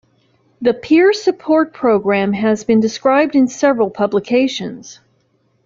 The peer support program has been described in several publications.